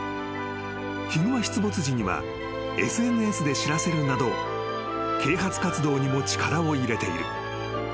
［ヒグマ出没時にはＳＮＳで知らせるなど啓発活動にも力を入れている］